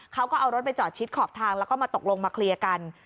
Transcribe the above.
เขาก็เอารถไปจอดชิดขอบทางแล้วก็มาตกลงมาเคลียร์กัน